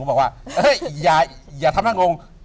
ผมบอกว่าเฮ้ยอย่าทำหน้างงง